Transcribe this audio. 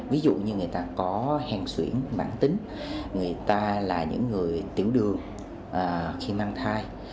ví dụ như người ta có hèn xuyễn bản tính người ta là những người tiểu đường khi mang thai